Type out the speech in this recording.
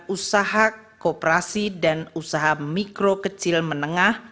usaha kooperasi dan usaha mikro kecil menengah